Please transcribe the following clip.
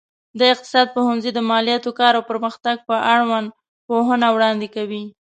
د اقتصاد پوهنځی د مالياتو، کار او پرمختګ په اړوند پوهنه وړاندې کوي.